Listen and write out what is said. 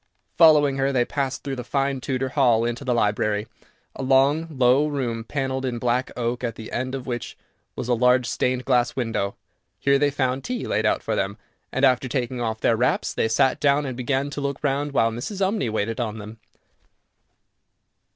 Following her, they passed through the fine Tudor hall into the library, a long, low room, panelled in black oak, at the end of which was a large stained glass window. Here they found tea laid out for them, and, after taking off their wraps, they sat down and began to look round, while Mrs. Umney waited on them.